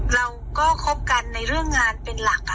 เราก็คบกันในเรื่องงานเป็นหลักค่ะ